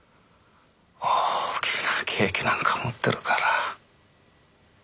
大きなケーキなんか持ってるから。